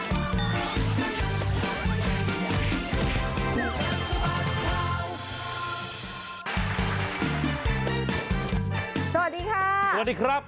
สวัสดีค่ะสวัสดีครับ